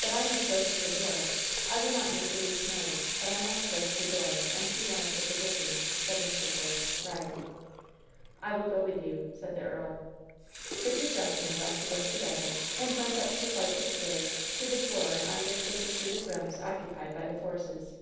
"But I must go to her door. I will not make the least noise; but I must go to the door and see one of the phy sicians," said Mr. Force, rising. "I will go with you," said the earl. The two s;entlemen left the room together, and went up two flights of stairs to the floor on which was the suit of rooms occupied by the Forces.